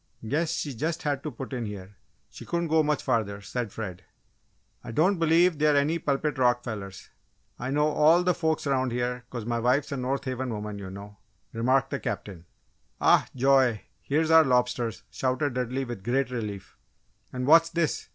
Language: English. "Guess she just had to put in here she couldn't go much further," said Fred. "I don't believe they're any Pulpit Rock fellers I know all the folks 'round here 'cause my wife's a North Haven woman, you know," remarked the Captain. "Oh, joy! Here's our lobsters!" shouted Dudley, with great relief. "And what's this?"